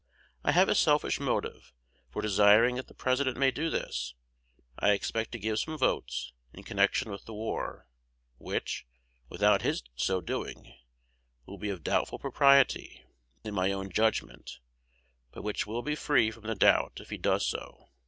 I have a selfish motive for desiring that the President may do this: I expect to give some votes, in connection with the war, which, without his so doing, will be of doubtful propriety, in my own judgment, but which will be free from the doubt if he does so.